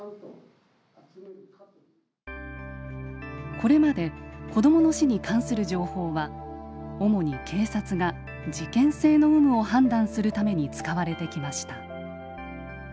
これまで子どもの死に関する情報は主に警察が事件性の有無を判断するために使われてきました。